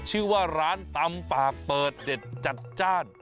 ชื่อว่าร้านตำปากเปิดเด็ดจัดจ้าน